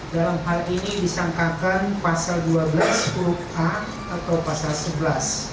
dalam hal ini disangkakan pasal dua belas huruf a atau pasal sebelas